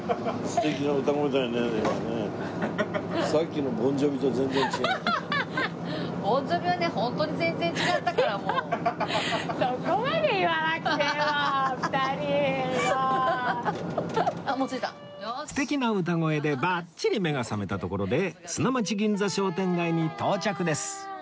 素敵な歌声でバッチリ目が覚めたところで砂町銀座商店街に到着です